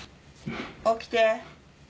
起きて。